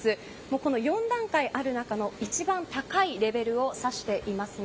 この４段階ある中の一番高いレベルを指していますね。